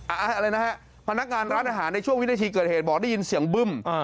อะไรนะฮะพนักงานร้านอาหารในช่วงวินาทีเกิดเหตุบอกได้ยินเสียงบึ้ม